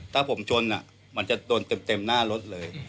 ถ้าผมชนมันจะโดนเต็มหน้ารถเลย